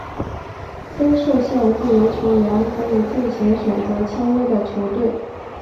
非受限自由球员可以自行选择签约的球队。